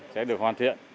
sẽ được hoàn thiện